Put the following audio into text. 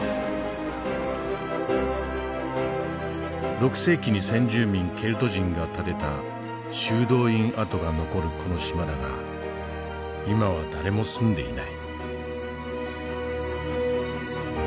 ６世紀に先住民ケルト人が建てた修道院跡が残るこの島だが今は誰も住んでいない。